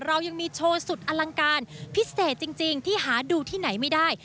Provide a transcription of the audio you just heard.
เรายังมีโชว์สุดอลังการพิเศษจริงที่หาดูที่ไหนไม่ได้